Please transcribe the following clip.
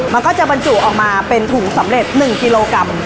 มันก็จะบรรจุออกมาเป็นถุงสำเร็จ๑กิโลกรัม